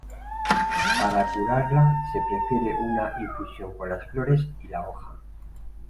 Para curarla se prepara una infusión con las flores y la hoja.